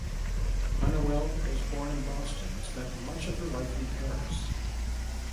Hunnewell was born in Boston and spent much of her life in Paris.